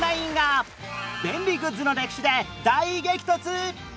便利グッズの歴史で大激突！